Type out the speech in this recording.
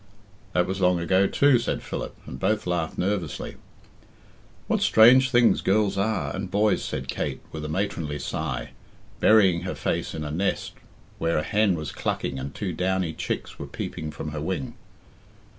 "That was long ago too," said Philip, and both laughed nervously. "What strange things girls are and boys!" said Kate with a matronly sigh, burying her face in a nest where a hen was clucking and two downy chicks were peeping from her wing.